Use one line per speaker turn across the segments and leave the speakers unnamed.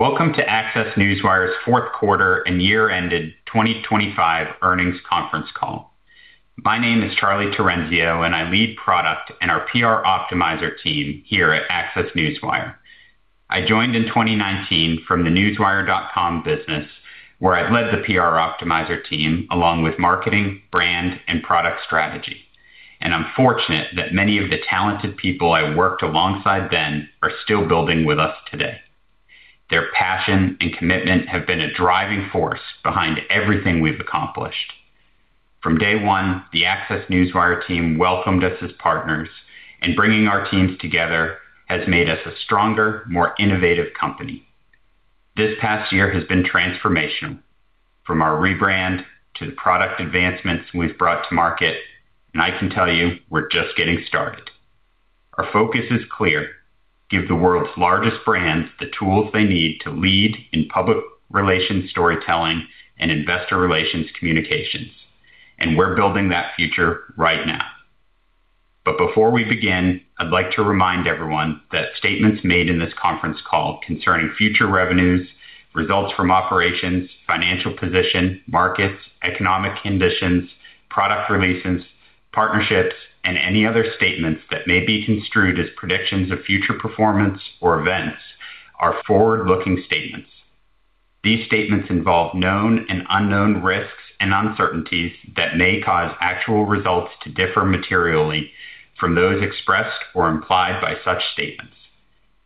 Welcome to ACCESS Newswire's fourth quarter and year-ended 2025 earnings conference call. My name is Charlie Terenzio and I lead product in our PR Optimizer team here at ACCESS Newswire. I joined in 2019 from the Newswire.com business, where I led the PR Optimizer team along with marketing, brand, and product strategy. I'm fortunate that many of the talented people I worked alongside then are still building with us today. Their passion and commitment have been a driving force behind everything we've accomplished. From day one, the ACCESS Newswire team welcomed us as partners, and bringing our teams together has made us a stronger, more innovative company. This past year has been transformational, from our rebrand to the product advancements we've brought to market, and I can tell you, we're just getting started. Our focus is clear: give the world's largest brands the tools they need to lead in public relations, storytelling, and investor relations communications. We're building that future right now. Before we begin, I'd like to remind everyone that statements made in this conference call concerning future revenues, results from operations, financial position, markets, economic conditions, product releases, partnerships, and any other statements that may be construed as predictions of future performance or events are forward-looking statements. These statements involve known and unknown risks and uncertainties that may cause actual results to differ materially from those expressed or implied by such statements.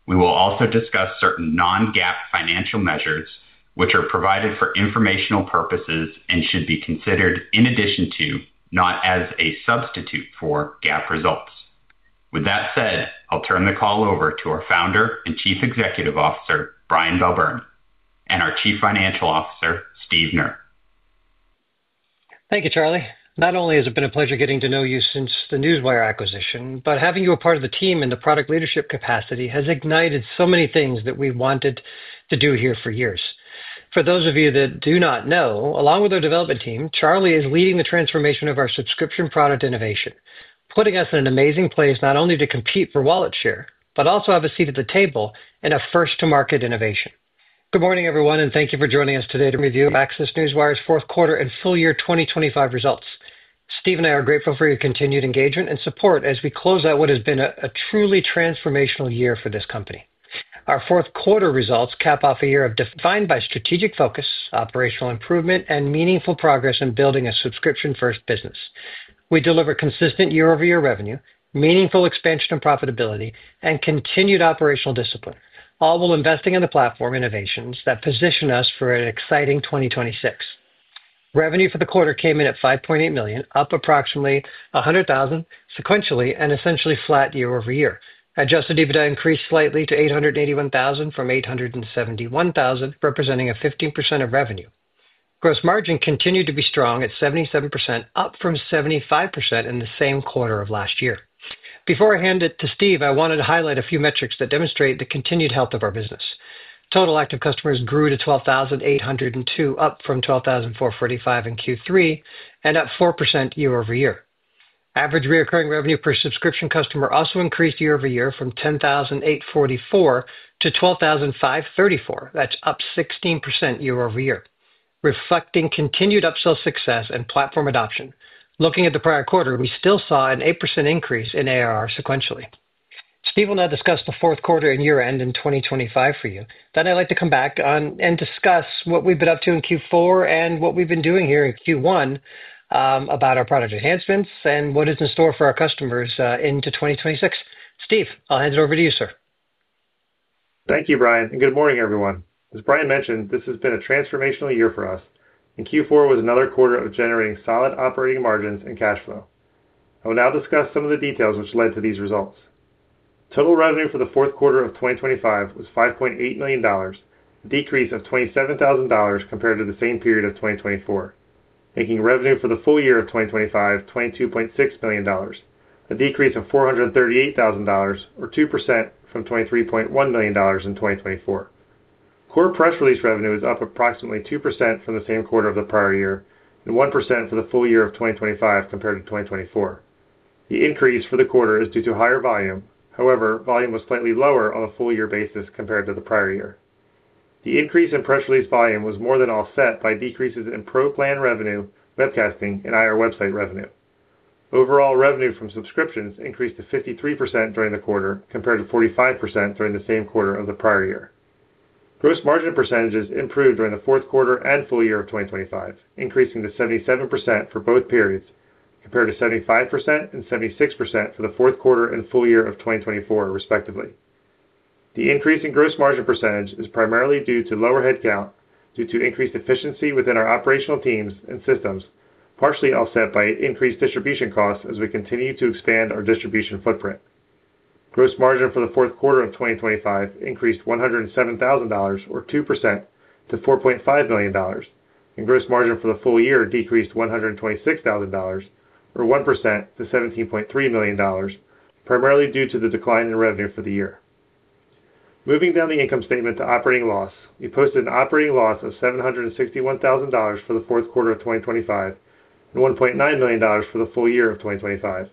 We will also discuss certain non-GAAP financial measures, which are provided for informational purposes and should be considered in addition to, not as a substitute for, GAAP results. With that said, I'll turn the call over to our founder and Chief Executive Officer, Brian Balbirnie, and our Chief Financial Officer, Steve Knerr.
Thank you, Charlie. Not only has it been a pleasure getting to know you since the Newswire acquisition, but having you as part of the team in the product leadership capacity has ignited so many things that we wanted to do here for years. For those of you that do not know, along with our development team, Charlie is leading the transformation of our subscription product innovation, putting us in an amazing place not only to compete for wallet share, but also have a seat at the table in a first to market innovation. Good morning, everyone, and thank you for joining us today to review ACCESS Newswire's fourth quarter and full year 2025 results. Steve and I are grateful for your continued engagement and support as we close out what has been a truly transformational year for this company. Our fourth quarter results cap off a year defined by strategic focus, operational improvement, and meaningful progress in building a subscription-first business. We deliver consistent year-over-year revenue, meaningful expansion and profitability, and continued operational discipline, all while investing in the platform innovations that position us for an exciting 2026. Revenue for the quarter came in at $5.8 million, up approximately $100,000 sequentially and essentially flat year-over-year. Adjusted EBITDA increased slightly to $881,000 from $871,000, representing 15% of revenue. Gross margin continued to be strong at 77%, up from 75% in the same quarter of last year. Before I hand it to Steve, I wanted to highlight a few metrics that demonstrate the continued health of our business. Total active customers grew to 12,802, up from 12,445 in Q3, and up 4% year-over-year. Average recurring revenue per subscription customer also increased year-over-year from $10,844 to $12,534. That's up 16% year-over-year, reflecting continued upsell success and platform adoption. Looking at the prior quarter, we still saw an 8% increase in ARR sequentially. Steve will now discuss the fourth quarter and year-end in 2025 for you. I'd like to come back on and discuss what we've been up to in Q4 and what we've been doing here in Q1 about our product enhancements and what is in store for our customers into 2026. Steve, I'll hand it over to you, sir.
Thank you, Brian, and good morning, everyone. As Brian mentioned, this has been a transformational year for us and Q4 was another quarter of generating solid operating margins and cash flow. I will now discuss some of the details which led to these results. Total revenue for the fourth quarter of 2025 was $5.8 million, a decrease of $27,000 compared to the same period of 2024, making revenue for the full year of 2025, $22.6 million, a decrease of $438,000 or 2% from $23.1 million in 2024. Core press release revenue is up approximately 2% from the same quarter of the prior year and 1% for the full year of 2025 compared to 2024. The increase for the quarter is due to higher volume. However, volume was slightly lower on a full year basis compared to the prior year. The increase in press release volume was more than offset by decreases in pro plan revenue, webcasting, and IR website revenue. Overall revenue from subscriptions increased to 53% during the quarter, compared to 45% during the same quarter of the prior year. Gross margin percentages improved during the fourth quarter and full year of 2025, increasing to 77% for both periods, compared to 75% and 76% for the fourth quarter and full year of 2024, respectively. The increase in gross margin percentage is primarily due to lower headcount due to increased efficiency within our operational teams and systems, partially offset by increased distribution costs as we continue to expand our distribution footprint. Gross margin for the fourth quarter of 2025 increased $107,000 or 2% to $4.5 million, and gross margin for the full year decreased $126,000 or 1% to $17.3 million, primarily due to the decline in revenue for the year. Moving down the income statement to operating loss, we posted an operating loss of $761,000 for the fourth quarter of 2025 and $1.9 million for the full year of 2025.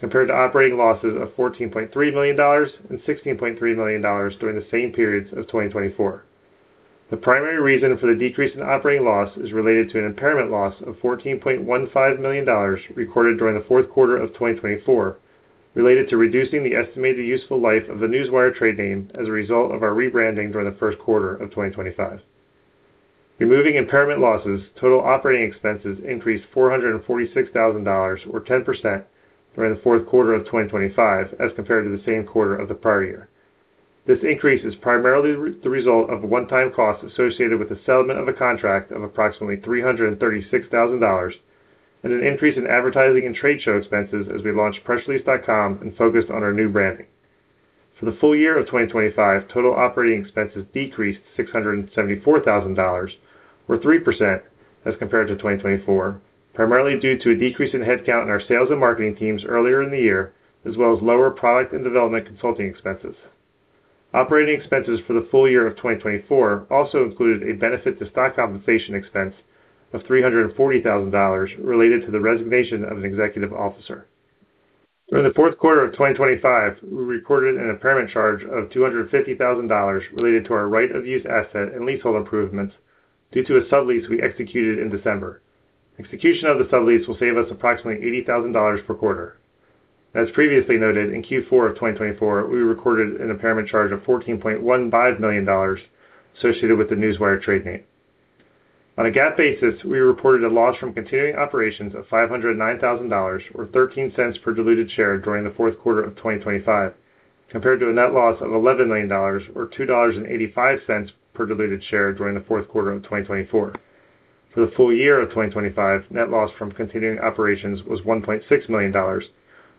Compared to operating losses of $14.3 million and $16.3 million during the same periods of 2024. The primary reason for the decrease in operating loss is related to an impairment loss of $14.15 million recorded during the fourth quarter of 2024, related to reducing the estimated useful life of the Newswire trade name as a result of our rebranding during the first quarter of 2025. Removing impairment losses, total operating expenses increased $446 thousand, or 10% during the fourth quarter of 2025 as compared to the same quarter of the prior year. This increase is primarily the result of a one-time cost associated with the settlement of a contract of approximately $336 thousand and an increase in advertising and trade show expenses as we launched pressrelease.com and focused on our new branding. For the full year of 2025, total operating expenses decreased $674,000, or 3% as compared to 2024, primarily due to a decrease in headcount in our sales and marketing teams earlier in the year, as well as lower product and development consulting expenses. Operating expenses for the full year of 2024 also included a benefit to stock compensation expense of $340,000 related to the resignation of an executive officer. During the fourth quarter of 2025, we recorded an impairment charge of $250,000 related to our right of use asset and leasehold improvements due to a sublease we executed in December. Execution of the sublease will save us approximately $80,000 per quarter. As previously noted, in Q4 of 2024, we recorded an impairment charge of $14.15 million associated with the Newswire trade name. On a GAAP basis, we reported a loss from continuing operations of $509,000 or $0.13 per diluted share during the fourth quarter of 2025, compared to a net loss of $11 million or $2.85 per diluted share during the fourth quarter of 2024. For the full year of 2025, net loss from continuing operations was $1.6 million or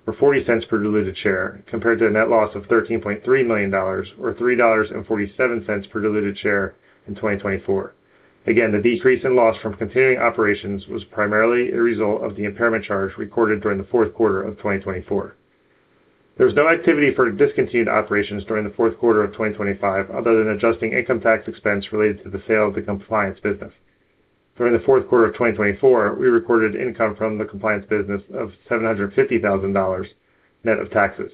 $0.40 per diluted share, compared to a net loss of $13.3 million or $3.47 per diluted share in 2024. Again, the decrease in loss from continuing operations was primarily a result of the impairment charge recorded during the fourth quarter of 2024. There was no activity for discontinued operations during the fourth quarter of 2025 other than adjusting income tax expense related to the sale of the compliance business. During the fourth quarter of 2024, we recorded income from the compliance business of $750,000 net of taxes,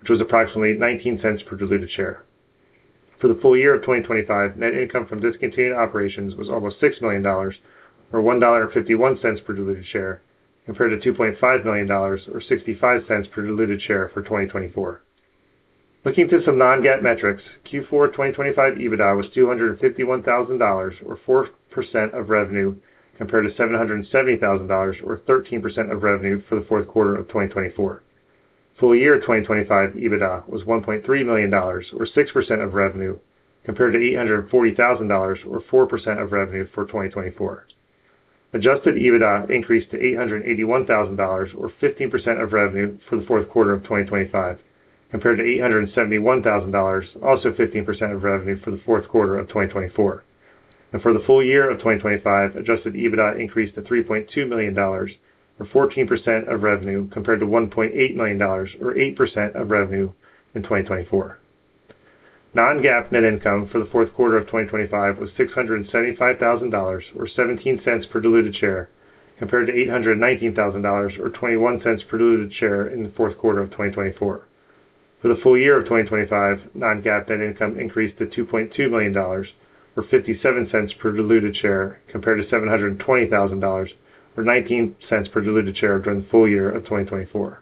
which was approximately $0.19 per diluted share. For the full year of 2025, net income from discontinued operations was almost $6 million or $1.51 per diluted share, compared to $2.5 million or $0.65 per diluted share for 2024. Looking to some non-GAAP metrics, Q4 2025 EBITDA was $251,000 or 4% of revenue, compared to $770,000 or 13% of revenue for the fourth quarter of 2024. Full year of 2025 EBITDA was $1.3 million or 6% of revenue, compared to $840 thousand or 4% of revenue for 2024. Adjusted EBITDA increased to $881 thousand or 15% of revenue for the fourth quarter of 2025, compared to $871 thousand, also 15% of revenue for the fourth quarter of 2024. For the full year of 2025, adjusted EBITDA increased to $3.2 million or 14% of revenue, compared to $1.8 million or 8% of revenue in 2024. Non-GAAP net income for the fourth quarter of 2025 was $675 thousand or $0.17 per diluted share, compared to $819 thousand or $0.21 per diluted share in the fourth quarter of 2024. For the full year of 2025, non-GAAP net income increased to $2.2 million or $0.57 per diluted share, compared to $720,000 or $0.19 per diluted share during the full year of 2024.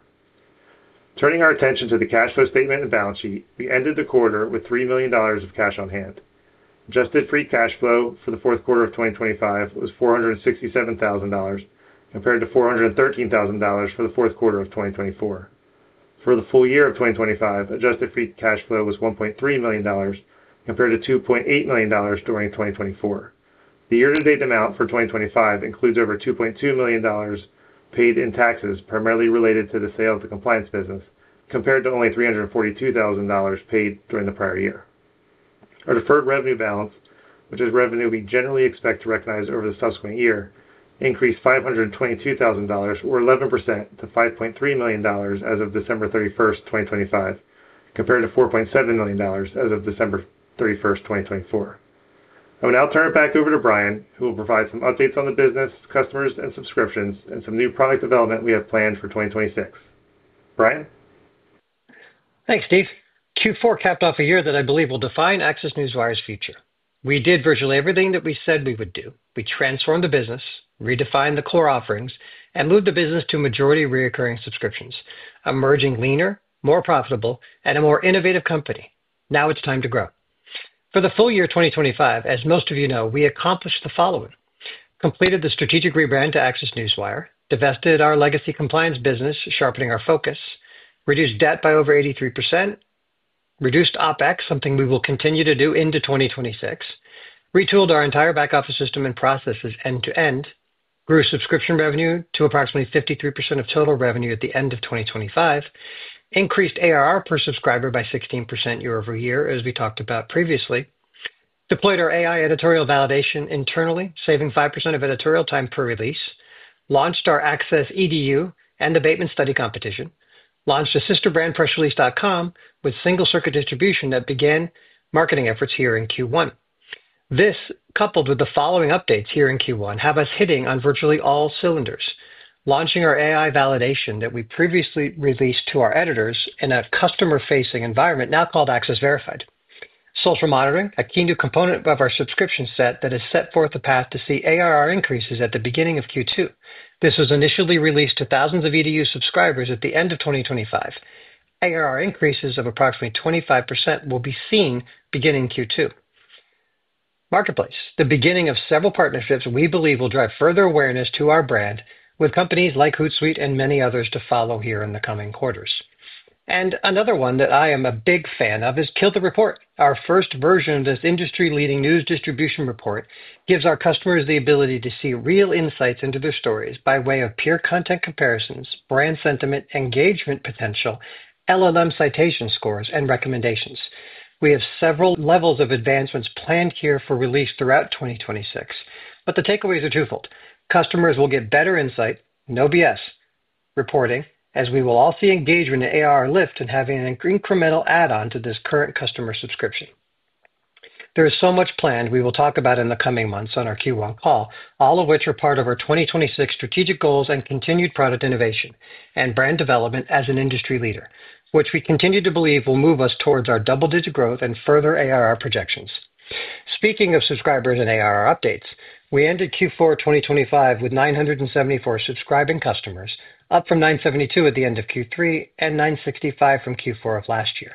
Turning our attention to the cash flow statement and balance sheet, we ended the quarter with $3 million of cash on hand. Adjusted free cash flow for the fourth quarter of 2025 was $467,000, compared to $413,000 for the fourth quarter of 2024. For the full year of 2025, adjusted free cash flow was $1.3 million, compared to $2.8 million during 2024. The year-to-date amount for 2025 includes over $2.2 million paid in taxes, primarily related to the sale of the compliance business, compared to only $342,000 paid during the prior year. Our deferred revenue balance, which is revenue we generally expect to recognize over the subsequent year, increased $522,000 or 11% to $5.3 million as of December 31, 2025, compared to $4.7 million as of December 31, 2024. I will now turn it back over to Brian, who will provide some updates on the business, customers and subscriptions, and some new product development we have planned for 2026. Brian?
Thanks, Steve. Q4 capped off a year that I believe will define ACCESS Newswire's future. We did virtually everything that we said we would do. We transformed the business, redefined the core offerings, and moved the business to majority recurring subscriptions, emerging leaner, more profitable, and a more innovative company. Now it's time to grow. For the full year 2025, as most of you know, we accomplished the following. Completed the strategic rebrand to ACCESS Newswire, divested our legacy compliance business, sharpening our focus, reduced debt by over 83%, reduced OpEx, something we will continue to do into 2026. Retooled our entire back office system and processes end to end. Grew subscription revenue to approximately 53% of total revenue at the end of 2025. Increased ARR per subscriber by 16% year-over-year, as we talked about previously. Deployed our AI editorial validation internally, saving 5% of editorial time per release. Launched our Axis Edu and the Bateman Case Study Competition. Launched a sister brand, pressrelease.com, with single circuit distribution that began marketing efforts here in Q1. This, coupled with the following updates here in Q1, have us hitting on virtually all cylinders, launching our AI validation that we previously released to our editors in a customer-facing environment now called ACCESS Verified. Social monitoring, a key new component of our subscription set that has set forth a path to see ARR increases at the beginning of Q2. This was initially released to thousands of EDU subscribers at the end of 2025. ARR increases of approximately 25% will be seen beginning Q2. Marketplace, the beginning of several partnerships we believe will drive further awareness to our brand with companies like Hootsuite and many others to follow here in the coming quarters. Another one that I am a big fan of is Kill the Report. Our first version of this industry-leading news distribution report gives our customers the ability to see real insights into their stories by way of peer content comparisons, brand sentiment, engagement potential, LLM citation scores, and recommendations. We have several levels of advancements planned here for release throughout 2026, but the takeaways are twofold. Customers will get better insight, no BS reporting, as we will all see engagement in ARR lift and having an incremental add-on to this current customer subscription. There is so much planned we will talk about in the coming months on our Q1 call, all of which are part of our 2026 strategic goals and continued product innovation and brand development as an industry leader, which we continue to believe will move us towards our double-digit growth and further ARR projections. Speaking of subscribers and ARR updates, we ended Q4 2025 with 974 subscribing customers, up from 972 at the end of Q3 and 965 from Q4 of last year.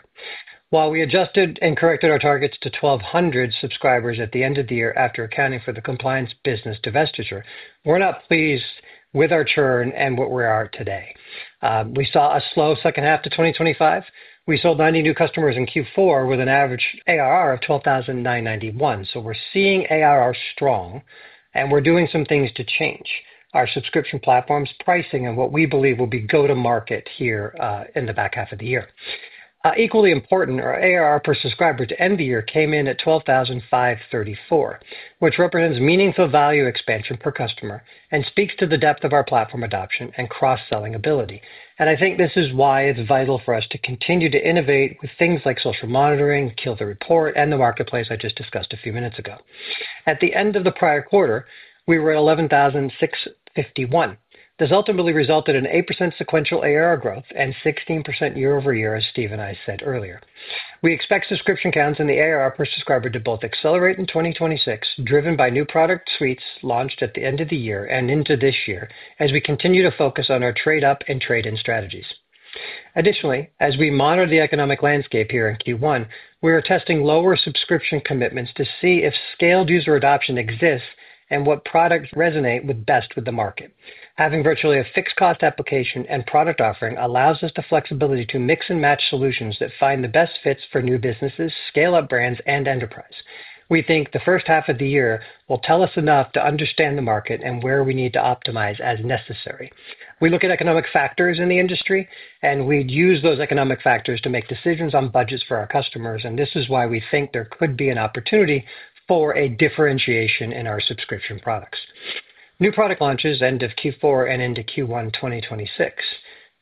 While we adjusted and corrected our targets to 1,200 subscribers at the end of the year after accounting for the compliance business divestiture, we're not pleased with our churn and where we are today. We saw a slow second half of 2025. We sold 90 new customers in Q4 with an average ARR of $12,991. We're seeing ARR strong, and we're doing some things to change our subscription platforms pricing and what we believe will be go-to-market here, in the back half of the year. Equally important, our ARR per subscriber to end the year came in at $12,534, which represents meaningful value expansion per customer and speaks to the depth of our platform adoption and cross-selling ability. I think this is why it's vital for us to continue to innovate with things like social monitoring, #KillTheReport, and the marketplace I just discussed a few minutes ago. At the end of the prior quarter, we were $11,651. This ultimately resulted in 8% sequential ARR growth and 16% year-over-year, as Steve and I said earlier. We expect subscription counts in the ARR per subscriber to both accelerate in 2026, driven by new product suites launched at the end of the year and into this year as we continue to focus on our trade-up and trade-in strategies. Additionally, as we monitor the economic landscape here in Q1, we are testing lower subscription commitments to see if scaled user adoption exists and what products resonate best with the market. Having virtually a fixed cost application and product offering allows us the flexibility to mix and match solutions that find the best fits for new businesses, scale-up brands, and enterprise. We think the first half of the year will tell us enough to understand the market and where we need to optimize as necessary. We look at economic factors in the industry, and we use those economic factors to make decisions on budgets for our customers, and this is why we think there could be an opportunity for a differentiation in our subscription products. New product launches end of Q4 and into Q1 2026.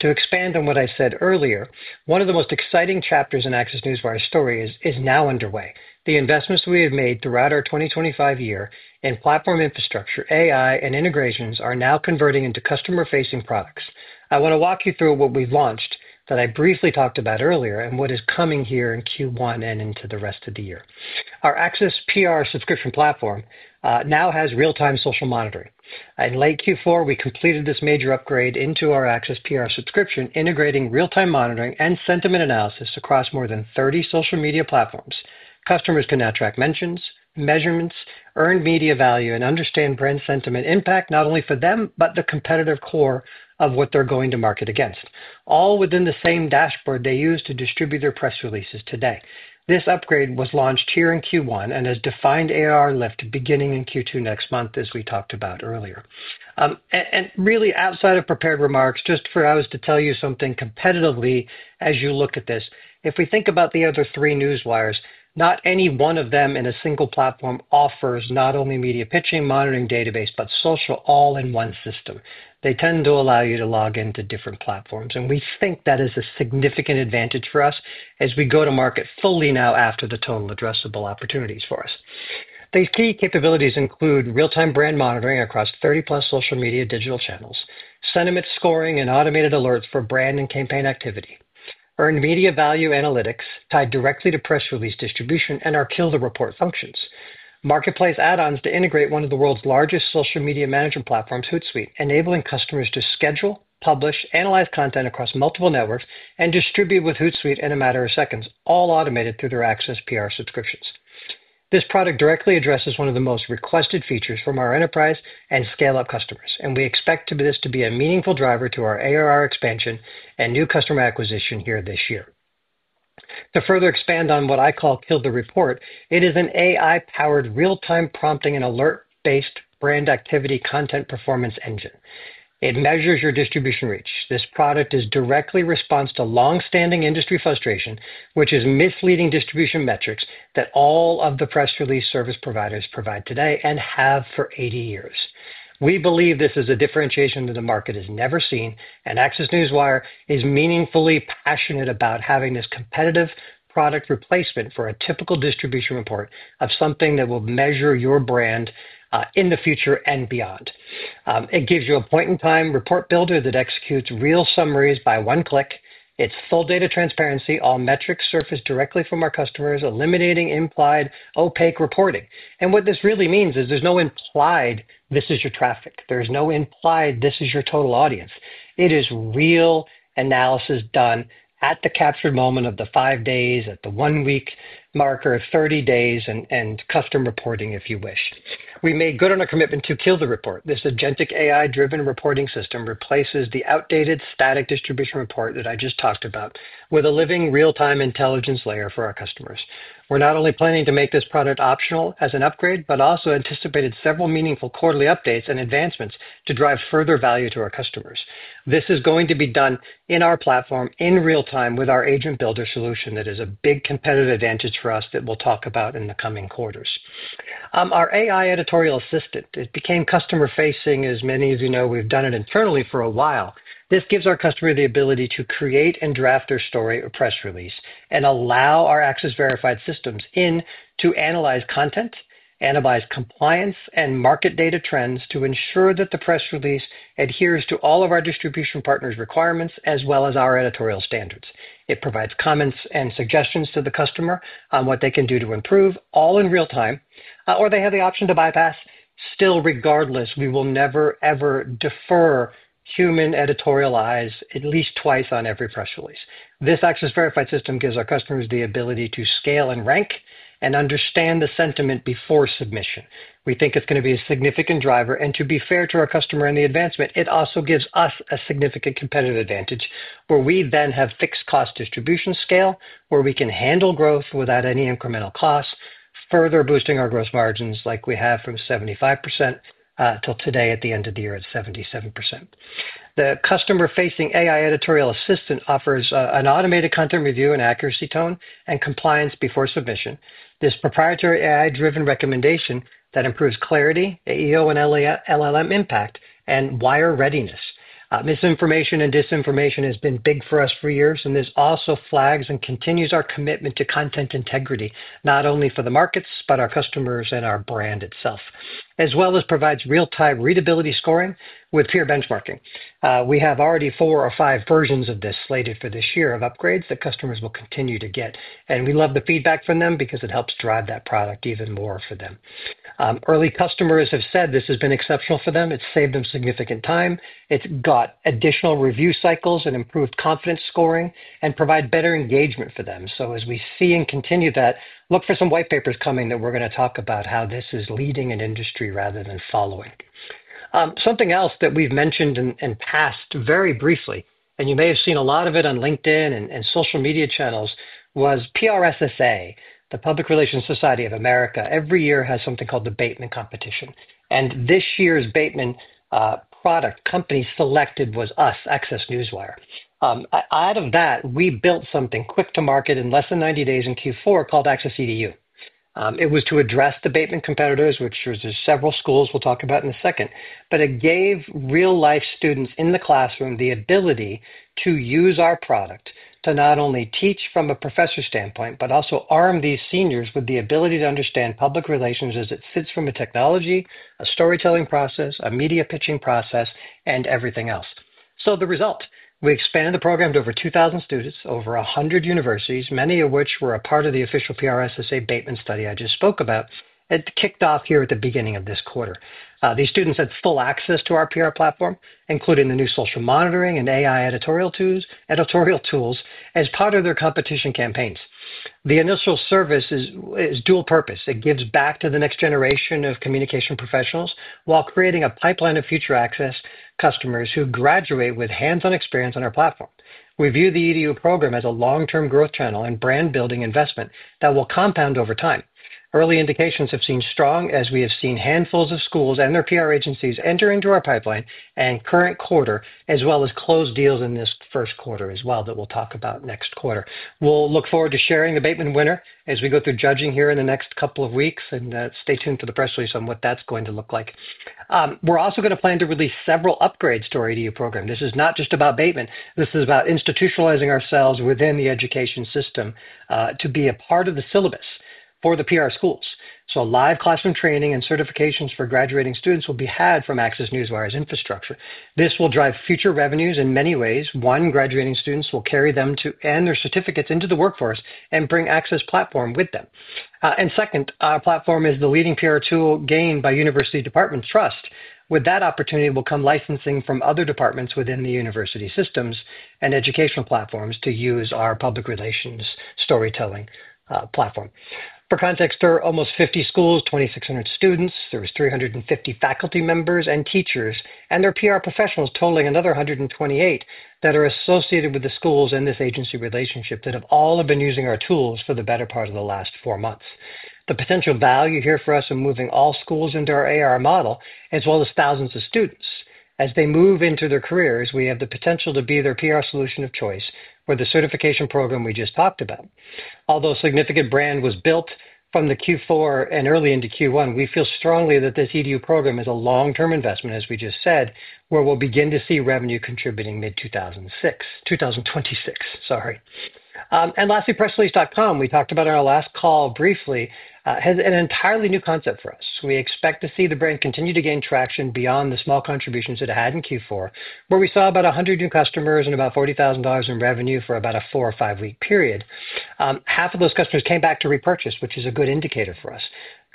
To expand on what I said earlier, one of the most exciting chapters in ACCESS Newswire's story is now underway. The investments we have made throughout our 2025 year in platform infrastructure, AI, and integrations are now converting into customer-facing products. I want to walk you through what we've launched that I briefly talked about earlier and what is coming here in Q1 and into the rest of the year. Our ACCESS PR subscription platform now has real-time social monitoring. In late Q4, we completed this major upgrade into our ACCESS PR subscription, integrating real-time monitoring and sentiment analysis across more than 30 social media platforms. Customers can now track mentions, measurements, earned media value, and understand brand sentiment impact not only for them, but the competitive core of what they're going to market against, all within the same dashboard they use to distribute their press releases today. This upgrade was launched here in Q1 and has defined ARR lift beginning in Q2 next month, as we talked about earlier. Really outside of prepared remarks, just for us to tell you something competitively as you look at this, if we think about the other three newswires, not any one of them in a single platform offers not only media pitching, monitoring database, but social all-in-one system. They tend to allow you to log into different platforms, and we think that is a significant advantage for us as we go to market fully now after the total addressable opportunities for us. These key capabilities include real-time brand monitoring across 30-plus social media digital channels, sentiment scoring and automated alerts for brand and campaign activity, earned media value analytics tied directly to press release distribution, and our #KillTheReport functions. Marketplace add-ons to integrate one of the world's largest social media management platforms, Hootsuite, enabling customers to schedule, publish, analyze content across multiple networks, and distribute with Hootsuite in a matter of seconds, all automated through their ACCESS PR subscriptions. This product directly addresses one of the most requested features from our enterprise and scale-up customers, and we expect this to be a meaningful driver to our ARR expansion and new customer acquisition here this year. To further expand on what I call Kill the Report, it is an AI-powered real-time prompting and alert-based brand activity content performance engine. It measures your distribution reach. This product is direct response to longstanding industry frustration, which is misleading distribution metrics that all of the press release service providers provide today and have for 80 years. We believe this is a differentiation that the market has never seen, and ACCESS Newswire is meaningfully passionate about having this competitive product replacement for a typical distribution report of something that will measure your brand in the future and beyond. It gives you a point-in-time report builder that executes real summaries by one click. It's full data transparency, all metrics surface directly from our customers, eliminating implied opaque reporting. What this really means is there's no implied, "This is your traffic." There's no implied, "This is your total audience." It is real analysis done at the captured moment of the five days, at the one-week marker, 30 days, and custom reporting, if you wish. We made good on our commitment to kill the report. This agentic AI-driven reporting system replaces the outdated static distribution report that I just talked about with a living real-time intelligence layer for our customers. We're not only planning to make this product optional as an upgrade, but also anticipated several meaningful quarterly updates and advancements to drive further value to our customers. This is going to be done in our platform in real time with our agent builder solution that is a big competitive advantage for us that we'll talk about in the coming quarters. Our AI editorial assistant, it became customer-facing. As many of you know, we've done it internally for a while. This gives our customer the ability to create and draft their story or press release and allow our ACCESS Verified systems in to analyze content, analyze compliance and market data trends to ensure that the press release adheres to all of our distribution partners' requirements as well as our editorial standards. It provides comments and suggestions to the customer on what they can do to improve, all in real time. Or they have the option to bypass. Still regardless, we will never, ever defer human editorial eyes at least twice on every press release. This ACCESS Verified system gives our customers the ability to scale and rank and understand the sentiment before submission. We think it's gonna be a significant driver. To be fair to our customer in the advancement, it also gives us a significant competitive advantage where we then have fixed cost distribution scale, where we can handle growth without any incremental cost, further boosting our gross margins like we have from 75% till today at the end of the year at 77%. The customer-facing AI editorial assistant offers an automated content review and accuracy tone and compliance before submission. This proprietary AI-driven recommendation that improves clarity, AEO and AI-LLM impact, and wire readiness. Misinformation and disinformation has been big for us for years, and this also flags and continues our commitment to content integrity, not only for the markets, but our customers and our brand itself. As well as provides real-time readability scoring with peer benchmarking. We have already four or five versions of this slated for this year of upgrades that customers will continue to get, and we love the feedback from them because it helps drive that product even more for them. Early customers have said this has been exceptional for them. It's saved them significant time. It's got additional review cycles and improved confidence scoring and provide better engagement for them. As we see and continue that, look for some white papers coming that we're gonna talk about how this is leading an industry rather than following. Something else that we've mentioned in past very briefly, and you may have seen a lot of it on LinkedIn and social media channels, was PRSSA, the Public Relations Student Society of America, every year has something called the Bateman Case Study Competition. This year's Bateman product company selected was us, ACCESS Newswire. Out of that, we built something quick to market in less than 90 days in Q4 called ACCESS EDU. It was to address the Bateman competitors, which was just several schools we'll talk about in a second. It gave real-life students in the classroom the ability to use our product to not only teach from a professor standpoint, but also arm these seniors with the ability to understand public relations as it sits from a technology, a storytelling process, a media pitching process, and everything else. The result, we expanded the program to over 2,000 students, over 100 universities, many of which were a part of the official PRSSA Bateman study I just spoke about. It kicked off here at the beginning of this quarter. These students had full access to our PR platform, including the new social monitoring and AI editorial tools as part of their competition campaigns. The initial service is dual purpose. It gives back to the next generation of communication professionals while creating a pipeline of future ACCESS customers who graduate with hands-on experience on our platform. We view the EDU program as a long-term growth channel and brand-building investment that will compound over time. Early indications have seemed strong as we have seen handfuls of schools and their PR agencies enter into our pipeline in the current quarter, as well as close deals in this first quarter as well that we'll talk about next quarter. We'll look forward to sharing the Bateman winner as we go through judging here in the next couple of weeks, and stay tuned for the press release on what that's going to look like. We're also gonna plan to release several upgrades to our EDU program. This is not just about Bateman. This is about institutionalizing ourselves within the education system to be a part of the syllabus for the PR schools. Live classroom training and certifications for graduating students will be had from ACCESS Newswire's infrastructure. This will drive future revenues in many ways. One, graduating students will carry and their certificates into the workforce and bring ACCESS platform with them. Second, our platform is the leading PR tool gained by university department trust. With that opportunity will come licensing from other departments within the university systems and educational platforms to use our public relations storytelling platform. For context, there are almost 50 schools, 2,600 students. There is 350 faculty members and teachers, and there are PR professionals totaling another 128 that are associated with the schools in this agency relationship that have been using our tools for the better part of the last four months. The potential value here for us in moving all schools into our ARR model, as well as thousands of students. As they move into their careers, we have the potential to be their PR solution of choice or the certification program we just talked about. Although significant brand was built from the Q4 and early into Q1, we feel strongly that this EDU program is a long-term investment, as we just said, where we'll begin to see revenue contributing mid 2026, sorry. Lastly, pressrelease.com, we talked about in our last call briefly, has an entirely new concept for us. We expect to see the brand continue to gain traction beyond the small contributions it had in Q4, where we saw about 100 new customers and about $40,000 in revenue for about a 4- or 5-week period. Half of those customers came back to repurchase, which is a good indicator for us.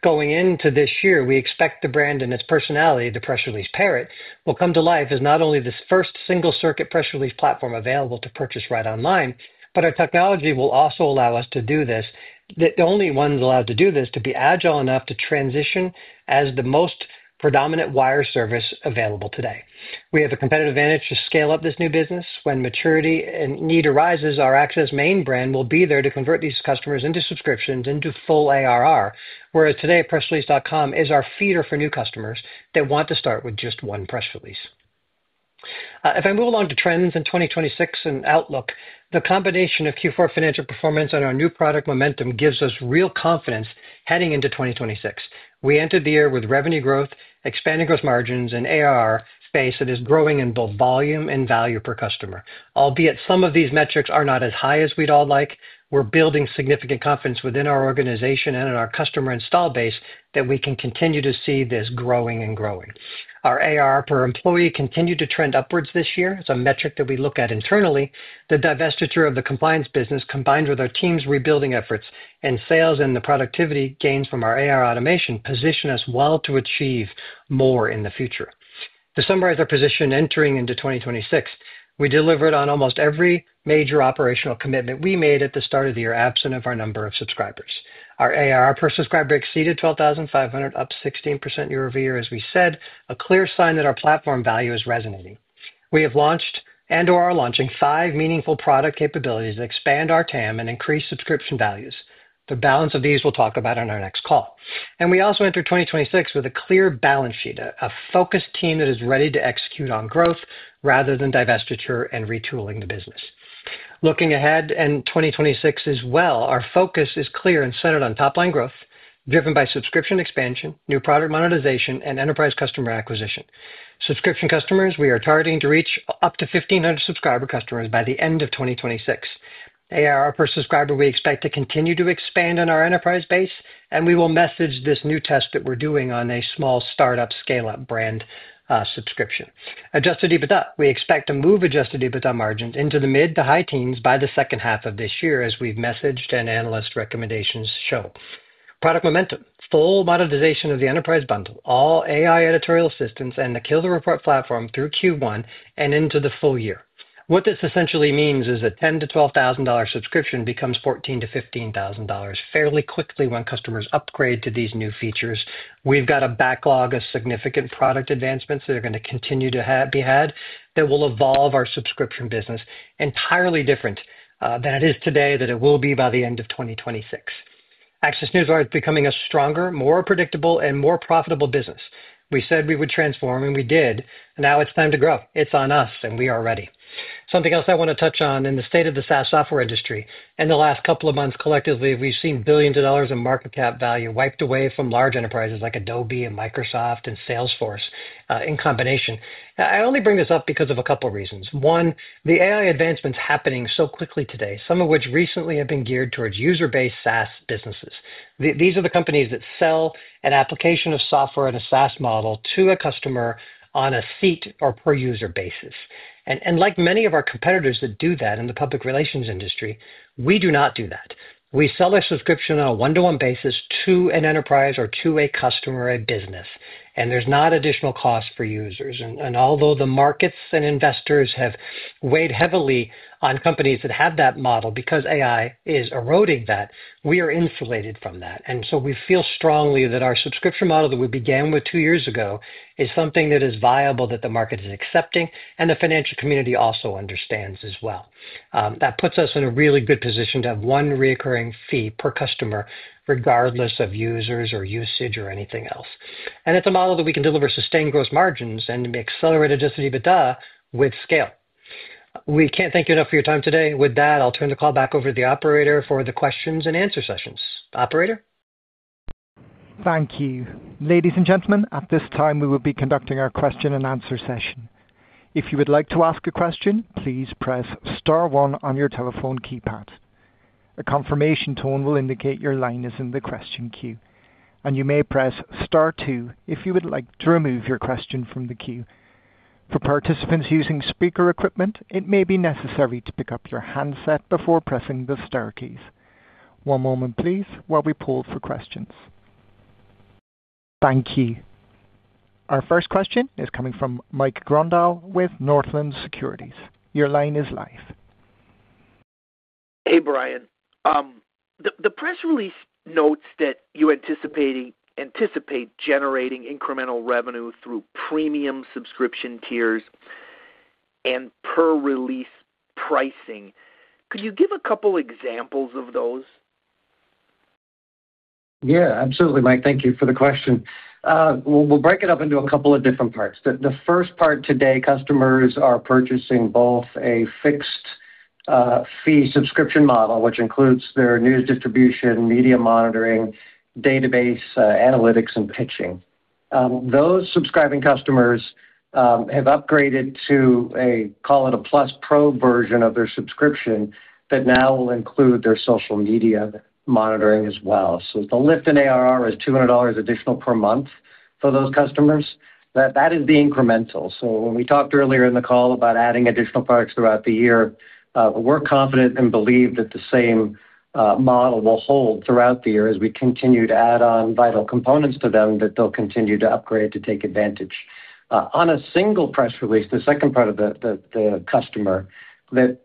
Going into this year, we expect the brand and its personality, the Press Release Parrot, will come to life as not only this first single-circuit press release platform available to purchase right online, but our technology will also allow us to do this, to be the only ones allowed to do this, to be agile enough to transition as the most predominant wire service available today. We have a competitive advantage to scale up this new business. When maturity and need arises, our ACCESS main brand will be there to convert these customers into subscriptions into full ARR, whereas today, pressrelease.com is our feeder for new customers that want to start with just one press release. If I move along to trends in 2026 and outlook, the combination of Q4 financial performance and our new product momentum gives us real confidence heading into 2026. We entered the year with revenue growth, expanding gross margins, and ARR base that is growing in both volume and value per customer. Albeit some of these metrics are not as high as we'd all like, we're building significant confidence within our organization and in our customer installed base that we can continue to see this growing and growing. Our ARR per employee continued to trend upwards this year. It's a metric that we look at internally. The divestiture of the compliance business, combined with our team's rebuilding efforts in sales and the productivity gains from our AR automation, position us well to achieve more in the future. To summarize our position entering into 2026, we delivered on almost every major operational commitment we made at the start of the year, absent of our number of subscribers. Our ARR per subscriber exceeded $12,500, up 16% year-over-year, as we said, a clear sign that our platform value is resonating. We have launched and/or are launching 5 meaningful product capabilities that expand our TAM and increase subscription values. The balance of these we'll talk about on our next call. We also enter 2026 with a clear balance sheet, a focused team that is ready to execute on growth rather than divestiture and retooling the business. Looking ahead in 2026 as well, our focus is clear and centered on top-line growth, driven by subscription expansion, new product monetization, and enterprise customer acquisition. Subscription customers, we are targeting to reach up to 1,500 subscriber customers by the end of 2026. ARR per subscriber, we expect to continue to expand on our enterprise base, and we will message this new test that we're doing on a small startup scale-up brand subscription. Adjusted EBITDA. We expect to move adjusted EBITDA margins into the mid- to high teens by the second half of this year, as we've messaged and analyst recommendations show. Product momentum. Full monetization of the enterprise bundle, all AI editorial systems, and the #KillTheReport platform through Q1 and into the full year. What this essentially means is a $10,000-$12,000 subscription becomes $14,000-$15,000 fairly quickly when customers upgrade to these new features. We've got a backlog of significant product advancements that are gonna continue to have that will evolve our subscription business entirely different than it is today, than it will be by the end of 2026. ACCESS Newswire is becoming a stronger, more predictable, and more profitable business. We said we would transform, and we did. Now it's time to grow. It's on us, and we are ready. Something else I wanna touch on in the state of the SaaS software industry. In the last couple of months, collectively, we've seen $ billions in market cap value wiped away from large enterprises like Adobe and Microsoft and Salesforce in combination. I only bring this up because of a couple reasons. One, the AI advancements happening so quickly today, some of which recently have been geared towards user-based SaaS businesses. These are the companies that sell an application of software in a SaaS model to a customer on a seat or per user basis. Like many of our competitors that do that in the public relations industry, we do not do that. We sell a subscription on a one-to-one basis to an enterprise or to a customer, a business, and there's not additional cost for users. Although the markets and investors have weighed heavily on companies that have that model because AI is eroding that, we are insulated from that. We feel strongly that our subscription model that we began with two years ago is something that is viable, that the market is accepting, and the financial community also understands as well. That puts us in a really good position to have one recurring fee per customer, regardless of users or usage or anything else. It's a model that we can deliver sustained gross margins and accelerated adjusted EBITDA with scale. We can't thank you enough for your time today. With that, I'll turn the call back over to the operator for the questions and answer sessions. Operator?
Thank you. Ladies and gentlemen, at this time, we will be conducting our question and answer session. If you would like to ask a question, please press star one on your telephone keypad. A confirmation tone will indicate your line is in the question queue, and you may press star two if you would like to remove your question from the queue. For participants using speaker equipment, it may be necessary to pick up your handset before pressing the star keys. One moment please while we pull for questions. Thank you. Our first question is coming from Mike Grondahl with Northland Capital Markets. Your line is live.
Hey, Brian. The press release notes that you anticipate generating incremental revenue through premium subscription tiers and per-release pricing. Could you give a couple examples of those?
Yeah, absolutely, Mike. Thank you for the question. We'll break it up into a couple of different parts. The first part today, customers are purchasing both a fixed fee subscription model, which includes their news distribution, media monitoring, database, analytics and pitching. Those subscribing customers have upgraded to a call it a plus pro version of their subscription that now will include their social media monitoring as well. The lift in ARR is $200 additional per month for those customers. That is the incremental. When we talked earlier in the call about adding additional products throughout the year, we're confident and believe that the same model will hold throughout the year as we continue to add on vital components to them that they'll continue to upgrade to take advantage. On a single press release, the second part of the customer that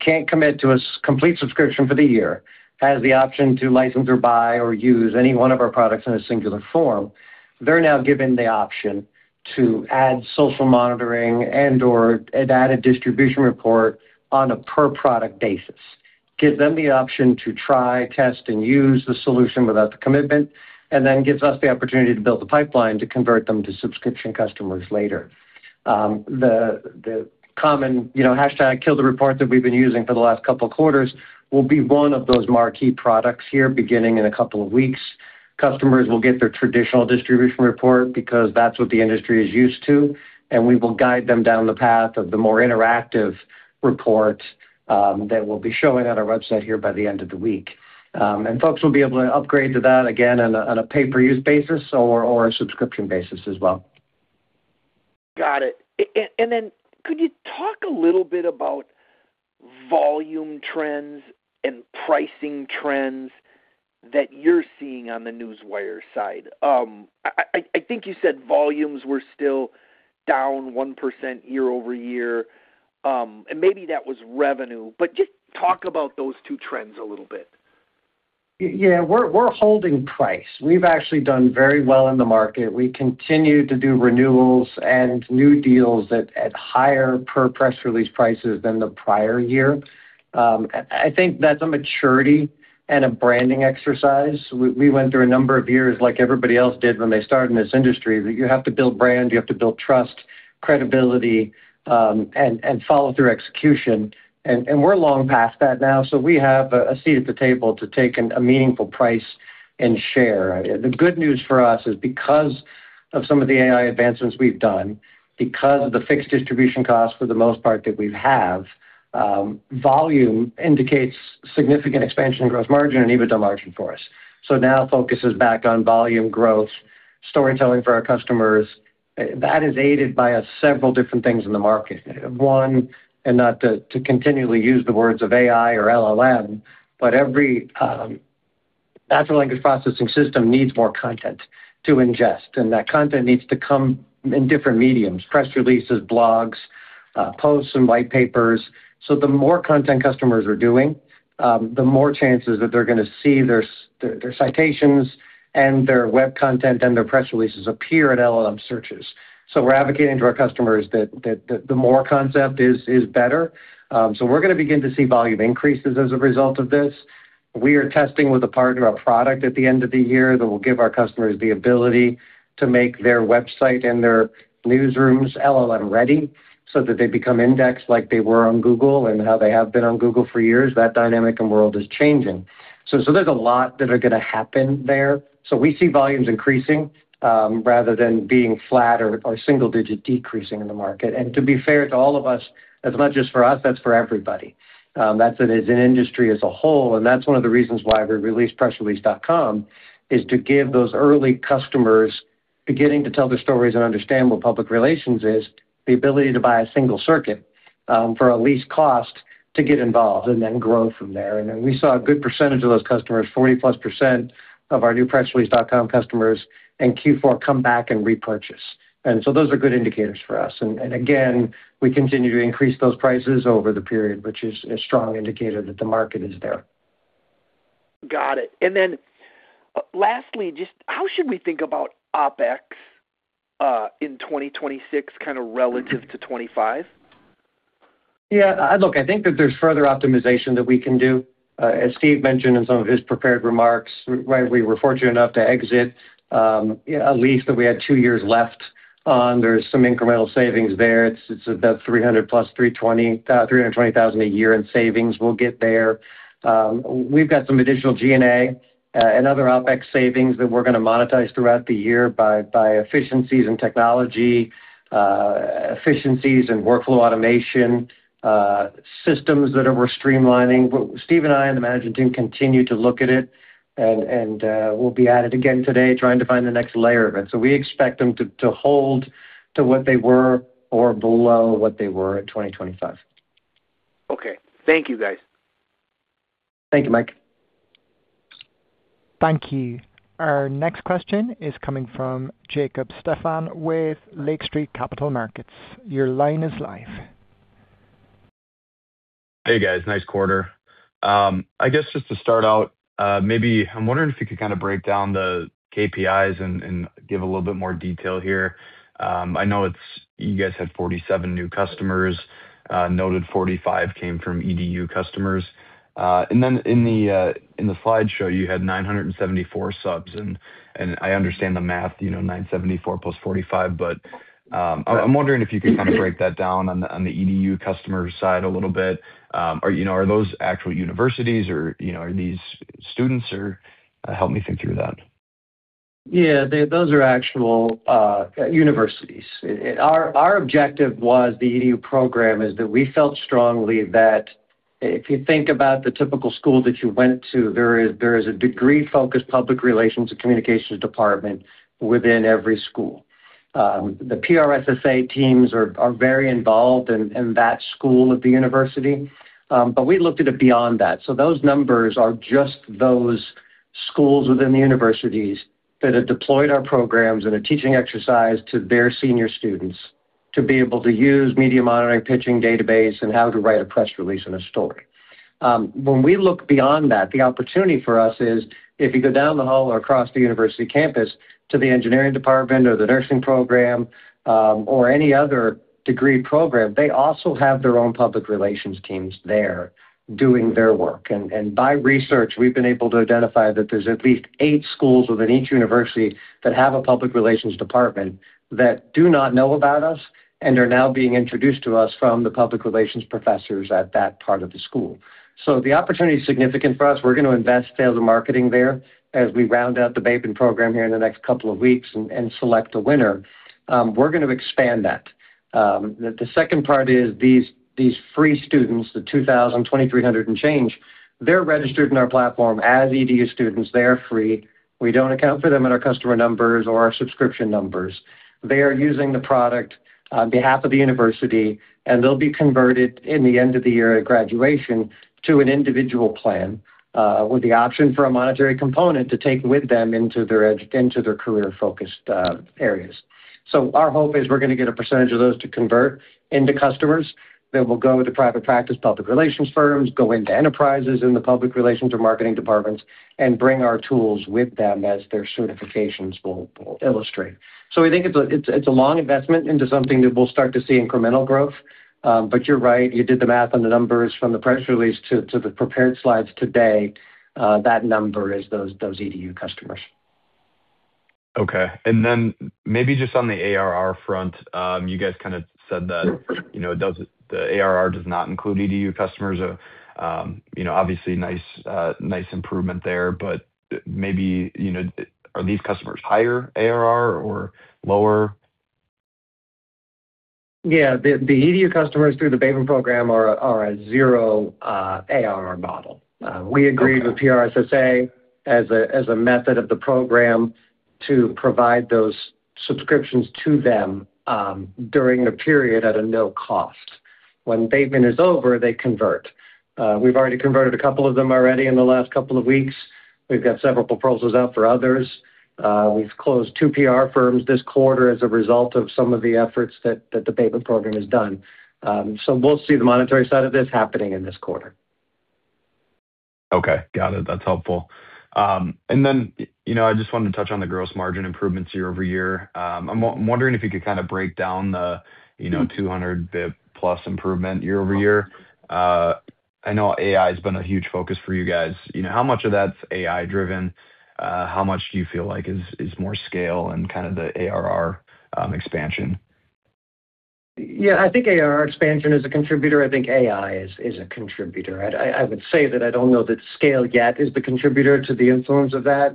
can't commit to a complete subscription for the year has the option to license or buy or use any one of our products in a singular form. They're now given the option to add social monitoring and/or an added distribution report on a per product basis. Gives them the option to try, test, and use the solution without the commitment, and then gives us the opportunity to build the pipeline to convert them to subscription customers later. The common, you know, #KillTheReport that we've been using for the last couple of quarters will be one of those marquee products here beginning in a couple of weeks. Customers will get their traditional distribution report because that's what the industry is used to, and we will guide them down the path of the more interactive report that we'll be showing on our website here by the end of the week. Folks will be able to upgrade to that again on a pay-per-use basis or a subscription basis as well.
Got it. Could you talk a little bit about volume trends and pricing trends that you're seeing on the Newswire side? I think you said volumes were still down 1% year-over-year, and maybe that was revenue, but just talk about those two trends a little bit.
Yeah. We're holding price. We've actually done very well in the market. We continue to do renewals and new deals at higher per press release prices than the prior year. I think that's a maturity and a branding exercise. We went through a number of years like everybody else did when they started in this industry, that you have to build brand, you have to build trust, credibility, and follow through execution. We're long past that now, so we have a seat at the table to take a meaningful price and share. The good news for us is because of some of the AI advancements we've done, because of the fixed distribution costs for the most part that we have, volume indicates significant expansion in gross margin and EBITDA margin for us. Now focus is back on volume growth, storytelling for our customers. That is aided by several different things in the market. One, not to continually use the words of AI or LLM, but every natural language processing system needs more content to ingest, and that content needs to come in different mediums, press releases, blogs, posts, and white papers. The more content customers are doing, the more chances that they're gonna see their citations and their web content and their press releases appear at LLM searches. We're advocating to our customers that the more content is better. We're gonna begin to see volume increases as a result of this. We are testing with a partner our product at the end of the year that will give our customers the ability to make their website and their newsrooms LLM-ready so that they become indexed like they were on Google and how they have been on Google for years. That dynamic world is changing. So there's a lot that are gonna happen there. So we see volumes increasing rather than being flat or single-digit decreasing in the market. To be fair to all of us, that's not just for us, that's for everybody. That's as an industry as a whole, and that's one of the reasons why we released pressrelease.com is to give those early customers beginning to tell their stories and understand what public relations is, the ability to buy a single circuit, for a lease cost to get involved and then grow from there. Then we saw a good percentage of those customers, 40%+ of our new pressrelease.com customers in Q4 come back and repurchase. Those are good indicators for us. Again, we continue to increase those prices over the period, which is a strong indicator that the market is there.
Got it. Lastly, just how should we think about OpEx in 2026 kinda relative to 2025?
Yeah. Look, I think that there's further optimization that we can do. As Steve mentioned in some of his prepared remarks, right, we were fortunate enough to exit a lease that we had two years left on. There's some incremental savings there. It's about $320,000 a year in savings we'll get there. We've got some additional G&A and other OpEx savings that we're gonna monetize throughout the year by efficiencies in technology, efficiencies in workflow automation, systems that we're streamlining. Steve and I and the management team continue to look at it and we'll be at it again today trying to find the next layer of it. We expect them to hold to what they were or below what they were at 2025.
Okay. Thank you, guys.
Thank you, Mike.
Thank you. Our next question is coming from Jacob Steffan with Lake Street Capital Markets. Your line is live.
Hey guys, nice quarter. I guess just to start out, maybe I'm wondering if you could kind of break down the KPIs and give a little bit more detail here. I know you guys had 47 new customers, noted 45 came from EDU customers. And then in the slideshow, you had 974 subs, and I understand the math, you know, 974 plus 45. I'm wondering if you could kind of break that down on the EDU customer side a little bit. Are those actual universities or are these students? Help me think through that.
Yeah. Those are actual universities. Our objective was the EDU program is that we felt strongly that if you think about the typical school that you went to, there is a degree-focused public relations and communications department within every school. The PRSSA teams are very involved in that school at the university, but we looked at it beyond that. Those numbers are just those schools within the universities that have deployed our programs in a teaching exercise to their senior students to be able to use media monitoring, pitching database, and how to write a press release and a story. When we look beyond that, the opportunity for us is if you go down the hall or across the university campus to the engineering department or the nursing program, or any other degree program, they also have their own public relations teams there doing their work. By research, we've been able to identify that there's at least eight schools within each university that have a public relations department that do not know about us and are now being introduced to us from the public relations professors at that part of the school. The opportunity is significant for us. We're gonna invest sales and marketing there as we round out the Bateman program here in the next couple of weeks and select a winner. We're gonna expand that. The second part is these free students, the 2,023 and change, they're registered in our platform as EDU students. They are free. We don't account for them in our customer numbers or our subscription numbers. They are using the product on behalf of the university, and they'll be converted in the end of the year at graduation to an individual plan, with the option for a monetary component to take with them into their career-focused areas. Our hope is we're gonna get a percentage of those to convert into customers that will go into private practice, public relations firms, go into enterprises in the public relations or marketing departments, and bring our tools with them as their certifications will illustrate. We think it's a long investment into something that we'll start to see incremental growth. But you're right, you did the math on the numbers from the press release to the prepared slides today. That number is those EDU customers.
Okay. Then maybe just on the ARR front, you guys kinda said that, you know, the ARR does not include EDU customers. You know, obviously nice improvement there, but maybe, you know, are these customers higher ARR or lower?
Yeah. The EDU customers through the Bateman program are a zero ARR model.
Okay.
We agreed with PRSSA as a method of the program to provide those subscriptions to them during a period at no cost. When Bateman is over, they convert. We've already converted a couple of them already in the last couple of weeks. We've got several proposals out for others. We've closed two PR firms this quarter as a result of some of the efforts that the Bateman program has done. We'll see the monetary side of this happening in this quarter.
Okay. Got it. That's helpful. You know, I just wanted to touch on the gross margin improvements year-over-year. I'm wondering if you could kinda break down the, you know, 200 bps plus improvement year-over-year. I know AI has been a huge focus for you guys. You know, how much of that's AI driven? How much do you feel like is more scale and kinda the ARR expansion?
Yeah. I think ARR expansion is a contributor. I think AI is a contributor. I would say that I don't know that scale yet is the contributor to the influence of that.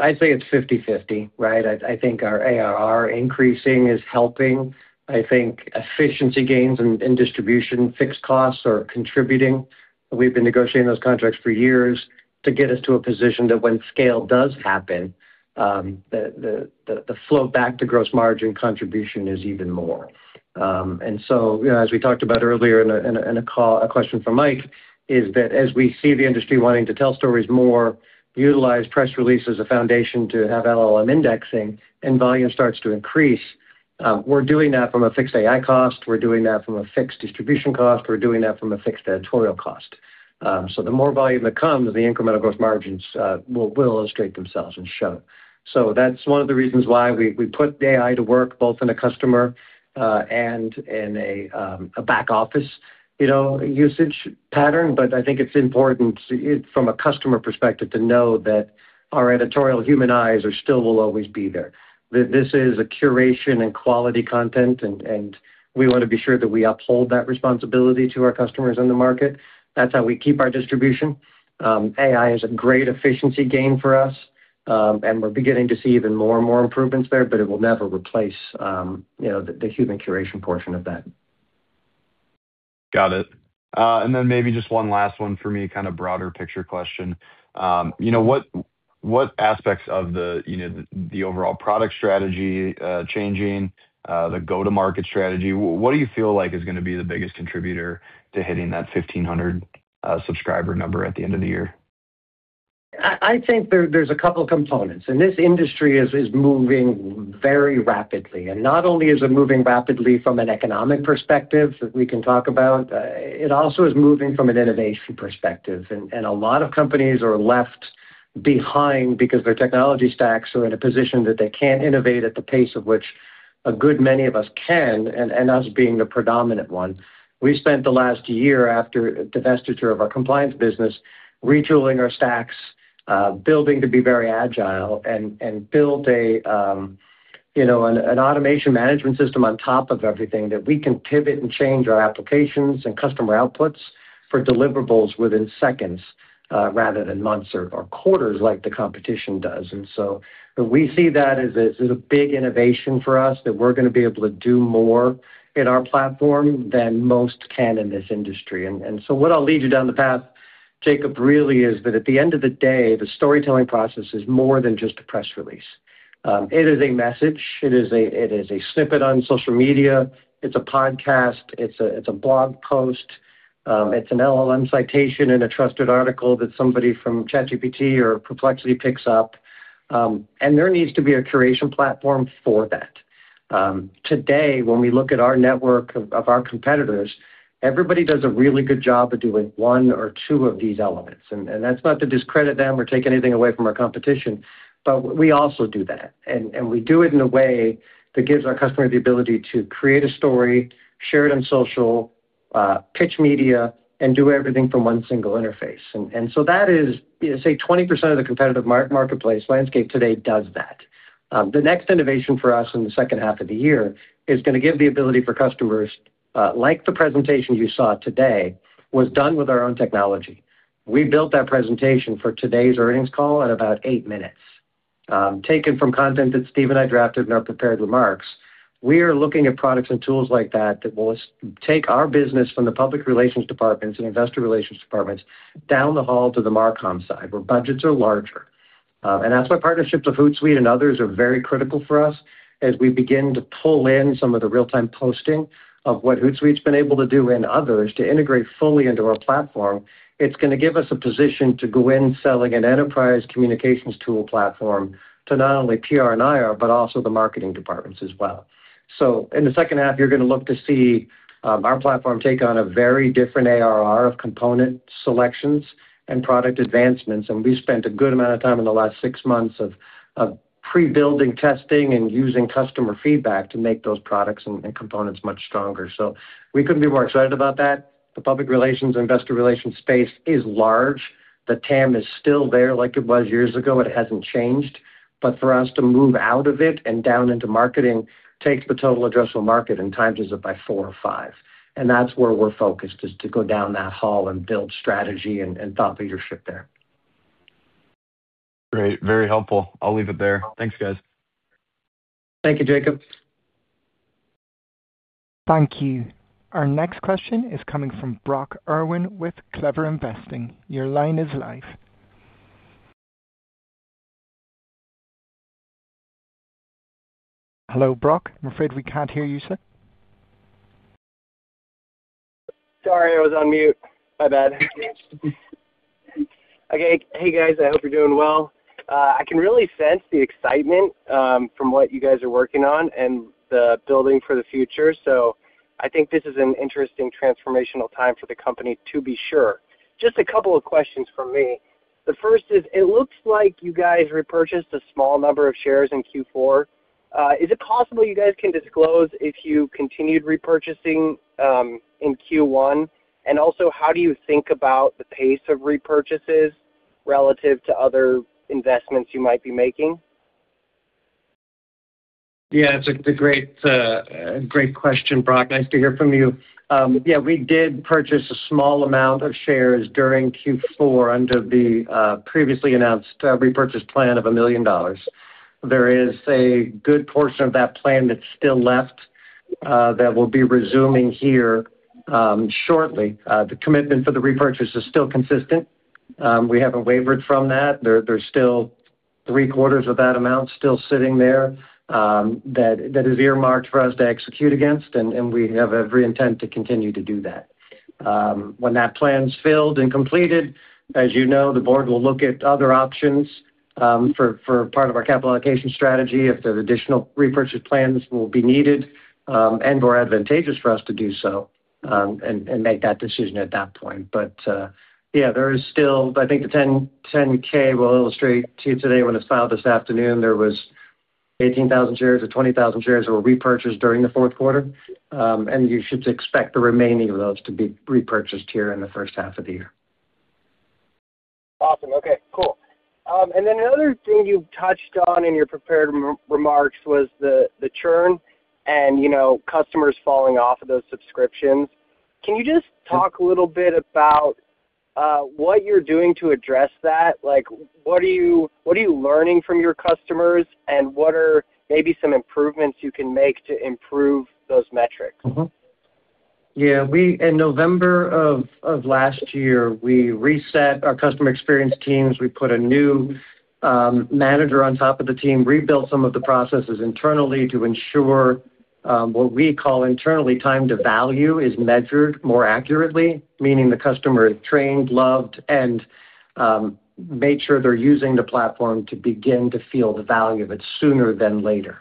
I'd say it's 50/50, right? I think our ARR increasing is helping. I think efficiency gains in distribution, fixed costs are contributing. We've been negotiating those contracts for years to get us to a position that when scale does happen, the flow back to gross margin contribution is even more. You know, as we talked about earlier in a call, a question from Mike is that as we see the industry wanting to tell stories more, utilize press release as a foundation to have LLM indexing and volume starts to increase, we're doing that from a fixed AI cost, we're doing that from a fixed distribution cost, we're doing that from a fixed editorial cost. The more volume that comes, the incremental gross margins will illustrate themselves and show. That's one of the reasons why we put AI to work both in a customer and in a back office, you know, usage pattern. I think it's important, from a customer perspective, to know that our editorial human eyes are still will always be there. This is a curation and quality content and we wanna be sure that we uphold that responsibility to our customers in the market. That's how we keep our distribution. AI is a great efficiency gain for us and we're beginning to see even more and more improvements there, but it will never replace you know the human curation portion of that.
Got it. Maybe just one last one for me, kinda broader picture question. You know, what aspects of the, you know, the overall product strategy changing, the go-to-market strategy, what do you feel like is gonna be the biggest contributor to hitting that 1,500 subscriber number at the end of the year?
I think there's a couple components, and this industry is moving very rapidly. Not only is it moving rapidly from an economic perspective that we can talk about, it also is moving from an innovation perspective. A lot of companies are left behind because their technology stacks are in a position that they can't innovate at the pace of which a good many of us can, and us being the predominant one. We spent the last year after divestiture of our compliance business, retooling our stacks, building to be very agile and build a, you know, an automation management system on top of everything that we can pivot and change our applications and customer outputs for deliverables within seconds, rather than months or quarters like the competition does. We see that as a big innovation for us that we're gonna be able to do more in our platform than most can in this industry. What I'll lead you down the path, Jacob, really is that at the end of the day, the storytelling process is more than just a press release. It is a message. It is a snippet on social media. It's a podcast. It's a blog post. It's an LLM citation in a trusted article that somebody from ChatGPT or Perplexity picks up. And there needs to be a curation platform for that. Today, when we look at our network of our competitors, everybody does a really good job of doing one or two of these elements. That's not to discredit them or take anything away from our competition, but we also do that. We do it in a way that gives our customer the ability to create a story, share it on social, pitch media, and do everything from one single interface. That is, say, 20% of the competitive marketplace landscape today does that. The next innovation for us in the second half of the year is gonna give the ability for customers, like the presentation you saw today, was done with our own technology. We built that presentation for today's earnings call in about eight minutes, taken from content that Steve and I drafted in our prepared remarks. We are looking at products and tools like that that will take our business from the public relations departments and investor relations departments down the hall to the marcom side, where budgets are larger. That's why partnerships with Hootsuite and others are very critical for us as we begin to pull in some of the real-time posting of what Hootsuite's been able to do and others to integrate fully into our platform. It's gonna give us a position to go in selling an enterprise communications tool platform to not only PR and IR, but also the marketing departments as well. In the second half, you're gonna look to see, our platform take on a very different ARR of component selections and product advancements. We spent a good amount of time in the last six months of pre-building testing and using customer feedback to make those products and components much stronger. We couldn't be more excited about that. The public relations, investor relations space is large. The TAM is still there like it was years ago. It hasn't changed. For us to move out of it and down into marketing takes the total addressable market and multiplies it by four or five. That's where we're focused, is to go down that hall and build strategy and thought leadership there.
Great. Very helpful. I'll leave it there. Thanks, guys.
Thank you, Jacob.
Thank you. Our next question is coming from Brock Erwin with CleverInvesting LLC. Your line is live. Hello, Brock. I'm afraid we can't hear you, sir.
Sorry, I was on mute. My bad. Okay. Hey, guys, I hope you're doing well. I can really sense the excitement from what you guys are working on and the building for the future. I think this is an interesting transformational time for the company to be sure. Just a couple of questions from me. The first is, it looks like you guys repurchased a small number of shares in Q4. Is it possible you guys can disclose if you continued repurchasing in Q1? And also, how do you think about the pace of repurchases relative to other investments you might be making?
Yeah, it's a great question, Brock. Nice to hear from you. Yeah, we did purchase a small amount of shares during Q4 under the previously announced repurchase plan of $1 million. There is a good portion of that plan that's still left that we'll be resuming here shortly. The commitment for the repurchase is still consistent. We haven't wavered from that. There's still three-quarters of that amount still sitting there that is earmarked for us to execute against, and we have every intent to continue to do that. When that plan's filled and completed, as you know, the board will look at other options, for part of our capital allocation strategy, if there's additional repurchase plans will be needed, and more advantageous for us to do so, and make that decision at that point. Yeah, there is still. I think the 10-K will illustrate to you today when it's filed this afternoon, there was 18,000 shares or 20,000 shares were repurchased during the fourth quarter. You should expect the remaining of those to be repurchased here in the first half of the year.
Awesome. Okay. Cool. Another thing you touched on in your prepared remarks was the churn and, you know, customers falling off of those subscriptions. Can you just talk a little bit about what you're doing to address that? Like, what are you learning from your customers, and what are maybe some improvements you can make to improve those metrics?
In November of last year, we reset our customer experience teams. We put a new manager on top of the team, rebuilt some of the processes internally to ensure what we call internally time to value is measured more accurately, meaning the customer is trained, loved, and made sure they're using the platform to begin to feel the value of it sooner than later.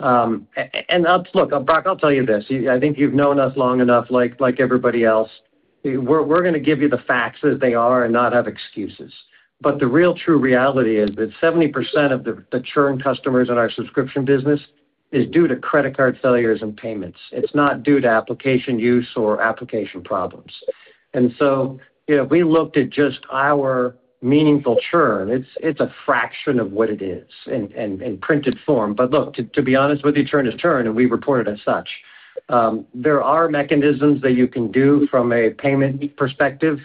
Look, Brock, I'll tell you this, I think you've known us long enough, like everybody else, we're gonna give you the facts as they are and not have excuses. The real true reality is that 70% of the churn customers in our subscription business is due to credit card failures and payments. It's not due to application use or application problems. You know, we looked at just our meaningful churn. It's a fraction of what it is in printed form. Look, to be honest with you, churn is churn, and we report it as such. There are mechanisms that you can do from a payment perspective.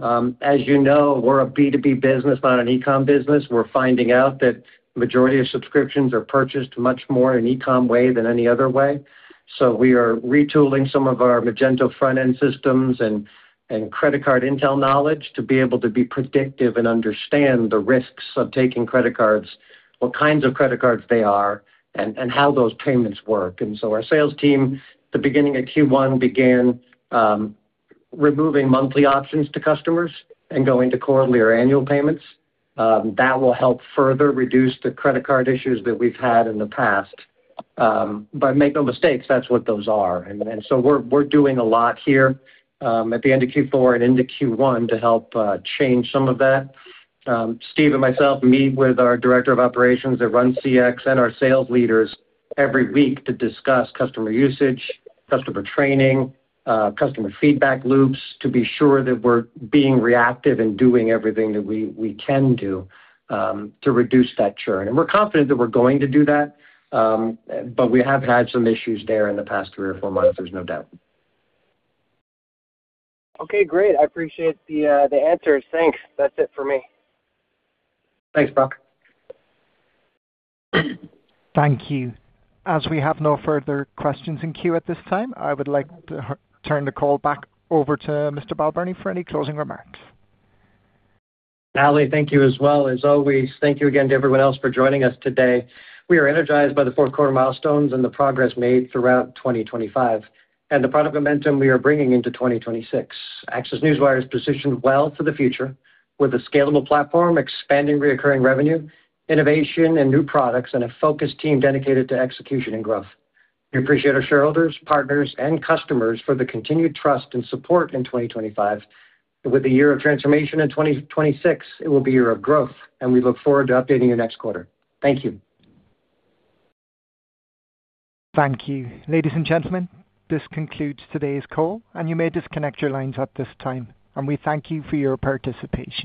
As you know, we're a B2B business, not an e-com business. We're finding out that majority of subscriptions are purchased much more in e-com way than any other way. We are retooling some of our Magento front-end systems and credit card intel knowledge to be able to be predictive and understand the risks of taking credit cards, what kinds of credit cards they are, and how those payments work. Our sales team, the beginning of Q1, began removing monthly options to customers and going to quarterly or annual payments. That will help further reduce the credit card issues that we've had in the past. Make no mistakes, that's what those are. We're doing a lot here at the end of Q4 and into Q1 to help change some of that. Steve and myself meet with our director of operations that runs CX and our sales leaders every week to discuss customer usage, customer training, customer feedback loops to be sure that we're being reactive and doing everything that we can do to reduce that churn. We're confident that we're going to do that, but we have had some issues there in the past three or four months, there's no doubt.
Okay, great. I appreciate the answers. Thanks. That's it for me.
Thanks, Brock.
Thank you. As we have no further questions in queue at this time, I would like to turn the call back over to Mr. Balbirnie for any closing remarks.
Ali, thank you as well. As always, thank you again to everyone else for joining us today. We are energized by the fourth quarter milestones and the progress made throughout 2025, and the product momentum we are bringing into 2026. ACCESS Newswire is positioned well for the future with a scalable platform, expanding recurring revenue, innovation and new products, and a focused team dedicated to execution and growth. We appreciate our shareholders, partners, and customers for the continued trust and support in 2025. With the year of transformation in 2026, it will be a year of growth, and we look forward to updating you next quarter. Thank you.
Thank you. Ladies and gentlemen, this concludes today's call, and you may disconnect your lines at this time. We thank you for your participation.